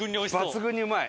抜群にうまい！